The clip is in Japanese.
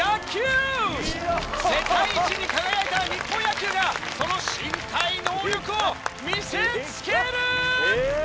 世界一に輝いた日本野球がその身体能力を見せつける！